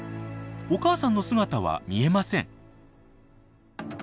お母さんの姿は見えません。